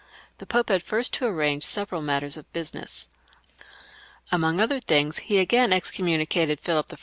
The Pope had first to arrange several matters of business. Among other things he again excom municated Philip I.